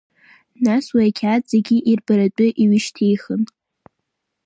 Нас уи ақьаад зегьы ирбаратәы иҩышьҭихын…